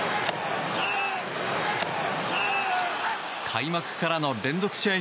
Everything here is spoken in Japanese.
開幕からの連続試合